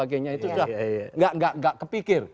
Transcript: dan sebagainya itu sudah enggak enggak enggak kepikir